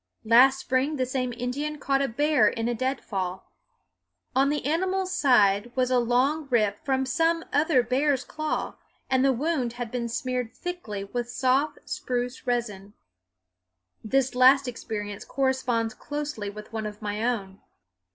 Last spring the same Indian caught a bear in a deadfall. On the animal's side was a long rip from some other bear's claw, and the wound had been smeared thickly with soft spruce resin. This last experience corresponds closely with one of my own.